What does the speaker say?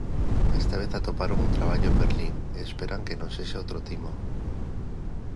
Esta vez atoparon un traballo en Berlín e esperan que non sexa outro timo.